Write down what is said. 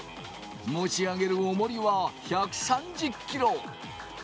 持ち上げるおもりは１３０ｋｇ。